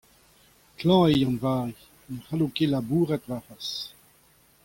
klañv eo Yann-Vari, ne c'hallo ket labourat warc'hoazh.